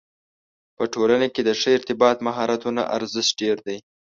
په ټولنه کې د ښه ارتباط مهارتونو ارزښت ډېر دی.